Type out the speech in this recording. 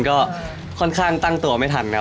ก็ค่อนข้างตั้งตัวไม่ทันครับ